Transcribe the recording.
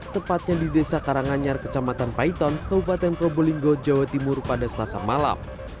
tepatnya di desa karanganyar kecamatan paiton kabupaten probolinggo jawa timur pada selasa malam